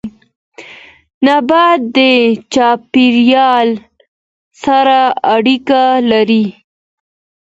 نبات د چاپيريال سره اړيکه لري